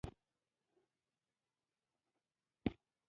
په هوا کې یو مقدار ککړوالی خپروي.